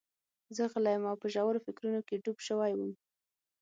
زه غلی وم او په ژورو فکرونو کې ډوب شوی وم